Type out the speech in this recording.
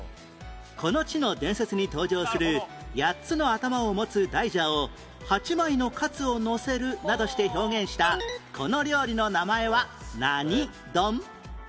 この地の伝説に登場する８つの頭を持つ大蛇を８枚のカツをのせるなどして表現したこの料理の名前は何丼？